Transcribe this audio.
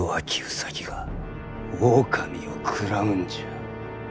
兎が狼を食らうんじゃ。